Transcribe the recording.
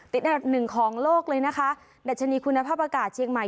อันดับหนึ่งของโลกเลยนะคะดัชนีคุณภาพอากาศเชียงใหม่